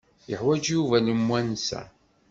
Yeḥwaj Yuba lemwansa?